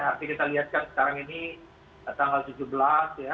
tapi kita lihatkan sekarang ini tanggal tujuh belas ya